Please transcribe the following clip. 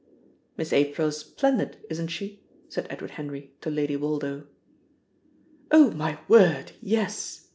"Miss April is splendid, isn't she?" said Edward Henry to Lady Woldo. "Oh! My word, yes!"